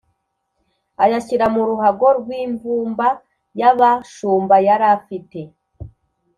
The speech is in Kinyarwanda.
ayashyira mu ruhago rw’imvumba y’abashumba yari afite